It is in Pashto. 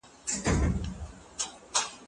یو لارښود د محدودو شاګردانو مسؤلیت په غاړه اخلي.